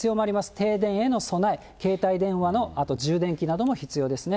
停電への備え、携帯電話の充電器なども必要ですね。